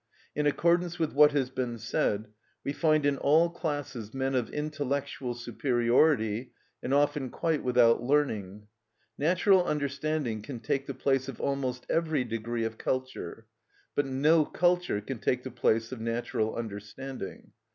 In accordance with what has been said, we find in all classes men of intellectual superiority, and often quite without learning. Natural understanding can take the place of almost every degree of culture, but no culture can take the place of natural understanding.